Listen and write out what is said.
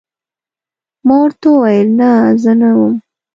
ما ورته وویل: نه، زه نه وم.